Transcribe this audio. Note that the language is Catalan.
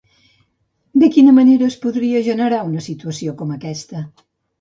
De quina manera es podria generar una situació com aquesta?